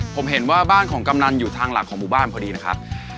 ผมเห็นว่าบ้านของกำนันอยู่ทางหลักของหมู่บ้านพอดีนะครับ